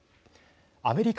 アメリカ